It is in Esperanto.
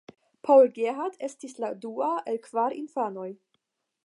Paul Gerhardt estis la dua el kvar infanoj.